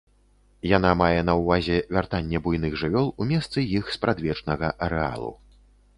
Яна мае на ўвазе вяртанне буйных жывёл у месцы іх спрадвечнага арэалу.